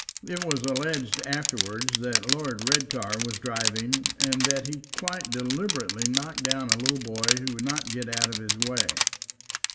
It was alleged afterwards that Lord Redcar was driving, and that he quite deliberately knocked down a little boy who would not get out of his way.